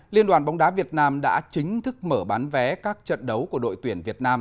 liên đoàn bóng đá việt nam đã chính thức mở bán vé các trận đấu của đội tuyển việt nam